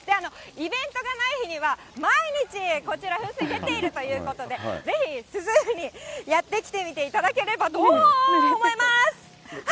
イベントがない日には、毎日こちら噴水が出ているということで、ぜひ、涼みにやって来てみていただければと思います。